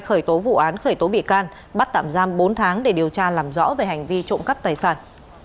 khởi tố vụ án khởi tố bị can bắt tạm giam bốn tháng để điều tra làm rõ về hành vi trộm cắp tài sản